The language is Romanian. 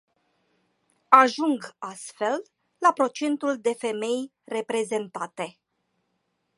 Ajung astfel la procentul de femei reprezentate.